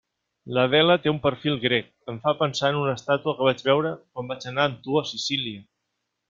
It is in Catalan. L'Adela té un perfil grec, em fa pensar en una estàtua que vaig veure quan vaig anar amb tu a Sicília.